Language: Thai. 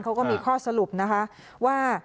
เขาก็มีข้อสรุปนะคะว่า